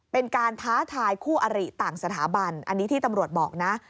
เป็นการท้าทายคู่อริต่างสถาบันอันนี้ที่ตำรวจบอกนะ